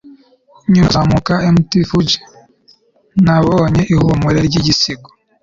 nyuma yo kuzamuka mt fuji, nabonye ihumure ry'igisigo